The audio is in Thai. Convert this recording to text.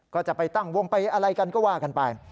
ก็จะไปตั้งวงไปอะไรกันก็ว่ากันไป